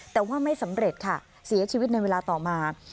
แต่ว่าไม่สำเร็จค่ะเสียชีวิตในเวลาต่อมา